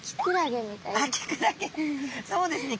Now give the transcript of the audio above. そうですね